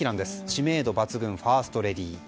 知名度抜群のファーストレディー。